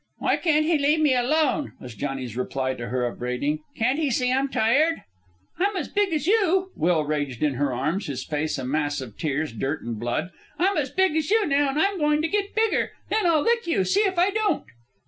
"Why can't he leave me alone?" was Johnny's reply to her upbraiding. "Can't he see I'm tired?" "I'm as big as you," Will raged in her arms, his face a mass of tears, dirt, and blood. "I'm as big as you now, an' I'm goin' to git bigger. Then I'll lick you see if I don't."